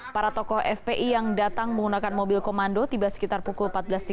para tokoh fpi yang datang menggunakan mobil komando tiba sekitar pukul empat belas tiga puluh